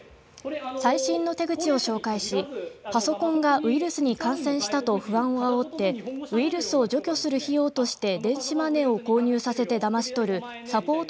最新の手口を紹介しパソコンがウイルスに感染したと不安をあおってウイルスを除去する費用として電子マネーを購入させてだまし取るサポート